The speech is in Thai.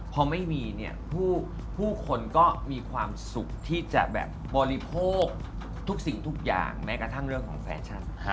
พอไม่มีเนี่ยผู้คนก็มีความสุขที่จะแบบบริโภคทุกสิ่งทุกอย่างแม้กระทั่งเรื่องของแฟชั่น